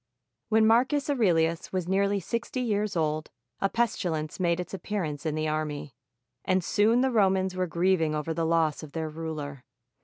When Marcus Aurelius was nearly sixty years old, a pestilence made its appearance in the army; and soon the Romans were grieving over the loss of their ruler.